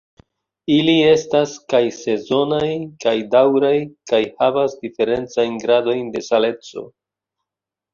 Ili estas kaj sezonaj kaj daŭraj, kaj havas diferencajn gradojn de saleco.